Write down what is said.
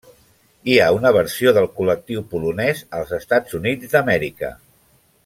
Hi ha una versió del col·lectiu polonès als Estats Units d'Amèrica.